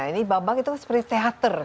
ini bambang itu seperti teater